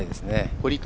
堀川